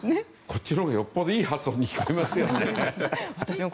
こっちのほうがよっぽどいい発音に聞こえますね。